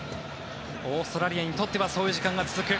オーストラリアにとってはそういう時間が続く。